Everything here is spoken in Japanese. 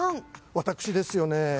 私ですよね。